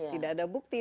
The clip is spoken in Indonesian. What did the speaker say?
tidak ada bukti